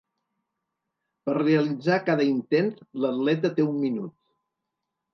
Per realitzar cada intent l'atleta té un minut.